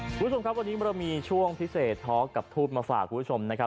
คุณผู้ชมครับวันนี้เรามีช่วงพิเศษท็อกกับทูปมาฝากคุณผู้ชมนะครับ